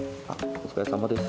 お疲れさまです。